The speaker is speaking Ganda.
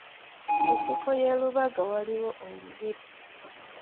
Lutikko y’e Rubaga waaliwo olubiri.